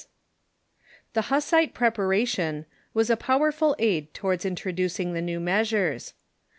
] The Hussite preparation was a powerful aid towards intro ducing the new measures.